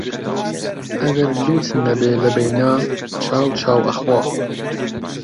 ئەگەر لووت نەبێ لەبەینا، چاو چاو ئەخوا